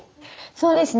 そうですね。